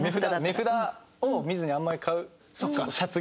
値札を見ずにあんまり買うシャツが。